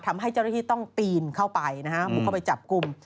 ทำให้เจ้าหน้าที่ต้องปีนเข้าไปนะฮะบุกเข้าไปจับกลุ่ม